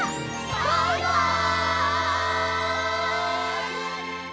バイバイ！